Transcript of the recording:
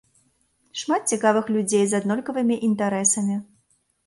Шмат цікавых людзей з аднолькавымі інтарэсамі.